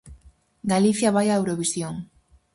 Galicia vai a Eurovisión.